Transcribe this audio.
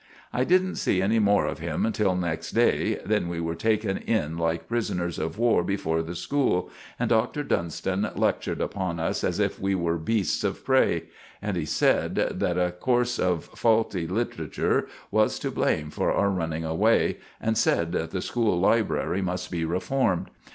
I didn't see any more of him until next day; then we were taken in like prisinners of war before the school, and Doctor Dunston lecktured upon us as if we were beests of pray, and he sed that a corse of falty literatuer was to blame for our running away, and sed that the school liberary must be reformed.